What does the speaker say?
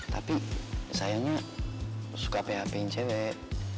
tapi sayangnya suka php yang cewek